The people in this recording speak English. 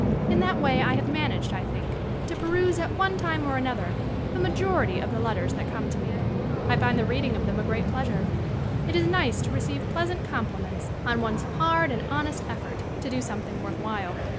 In that way I have managed I think to per use at one time or another the majority of the letters that come to me. I find the reading of them a great pleasure. It is nice to receive pleasant compliments on one's hard and honest effort to do something worth while.